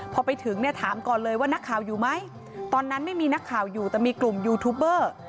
พอไปถึงเนี่ยถามก่อนเลยว่านักข่าวอยู่ไหมตอนนั้นไม่มีนักข่าวอยู่แต่มีกลุ่มยูทูบเบอร์